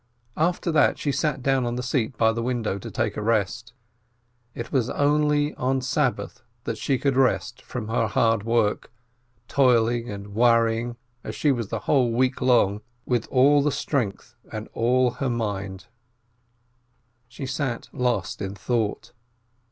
After that she sat down on the seat by the window to take a rest. It was only on Sabbath that she could rest from her hard work, toiling and worrying as she was the whole week long with all her strength and all her mind. She sat lost in thought.